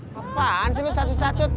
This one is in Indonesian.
kapan sih lo sacut sacut